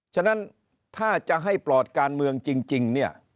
ฉะนั้นถ้าจะให้ปลอดการเมืองจริงเนี่ย